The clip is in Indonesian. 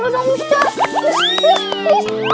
ya allah ya tuhan